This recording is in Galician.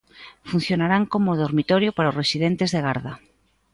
Funcionarán como dormitorio para os residentes de garda.